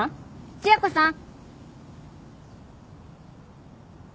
千夜子さん！